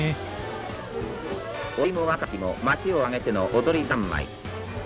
「老いも若きもまちを挙げての踊り三昧」。